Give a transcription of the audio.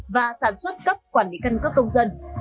và xuất cấp quản lý căn cấp công dân